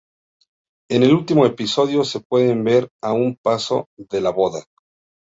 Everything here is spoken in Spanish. En el último episodio se pueden ver a un paso de la boda.